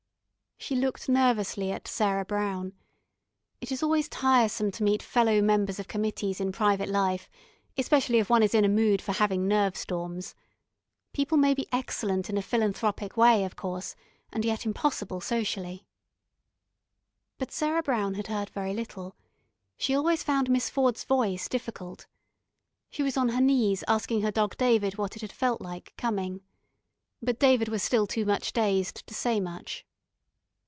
She looked nervously at Sarah Brown. It is always tiresome to meet fellow members of committees in private life, especially if one is in a mood for having nerve storms. People may be excellent in a philanthropic way, of course, and yet impossible socially. But Sarah Brown had heard very little. She always found Miss Ford's voice difficult. She was on her knees asking her dog David what it had felt like, coming. But David was still too much dazed to say much.